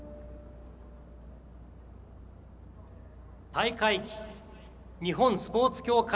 大会旗、日本スポーツ協会